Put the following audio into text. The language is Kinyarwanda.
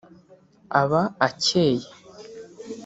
aba akeye